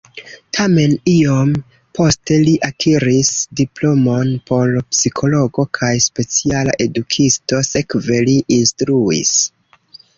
Tamen iom poste li akiris diplomon por psikologo kaj speciala edukisto, sekve li instruis.